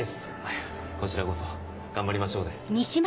いやこちらこそ頑張りましょうね。